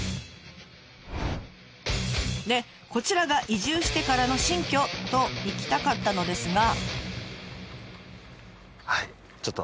でこちらが移住してからの新居といきたかったのですが。